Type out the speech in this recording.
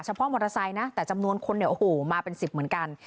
เพาะมอเตอร์ไซค์นะแต่จำนวนคนเนี่ยโอ้โหมาเป็น๑๐เหมือนกัน